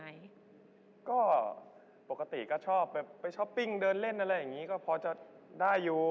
อย่างนี้ก็พอจะได้อยู่